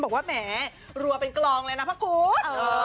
บอกว่าแหมรัวเป็นกลองเลยนะพระคุณ